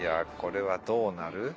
これはどうなる？